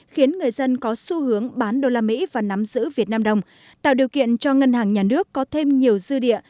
khiến người dân có xu hướng bán usd và nắm giữ vnđ tạo điều kiện cho ngân hàng nhà nước có thêm nhiều dư địa